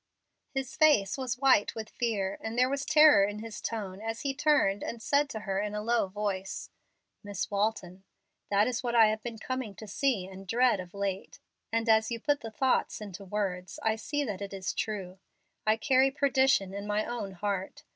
His face was white with fear, and there was terror in his tone as he turned and said to her, in a low voice, "Miss Walton, that is what I have been coming to see and dread, of late, and as you put the thoughts into words I see that it is true. I carry perdition in my own heart.